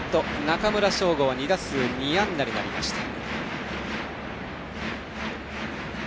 中村奨吾は２打数２安打になりました。